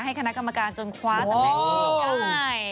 ให้คณะกรรมการจนคว้าสำเร็จได้